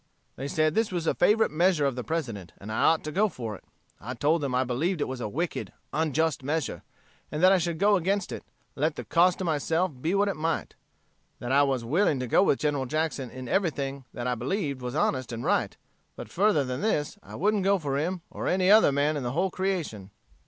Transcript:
They said this was a favorite measure of the President, and I ought to go for it. I told them I believed it was a wicked, unjust measure, and that I should go against it, let the cost to myself be what it might; that I was willing to go with General Jackson in everything that I believed was honest and right; but, further than this, I wouldn't go for him or any other man in the whole creation.